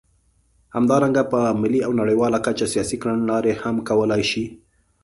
همدارنګه په ملي او نړیواله کچه سیاسي کړنلارې هم کولای شي.